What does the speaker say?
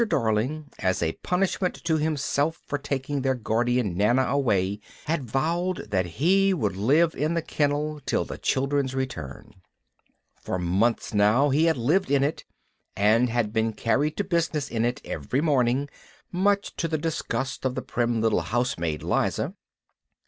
Darling, as a punishment to himself for taking their guardian Nana away, had vowed that he would live in the kennel till his children's return. For months now he had lived in it, and had been carried to business in it every morning, much to the disgust of the prim little housemaid Liza.